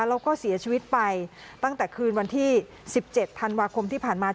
แล้วก็เสียชีวิตไปตั้งแต่คืนวันที่๑๗ธันวาคมที่ผ่านมา